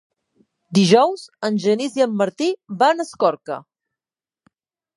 Dijous en Genís i en Martí van a Escorca.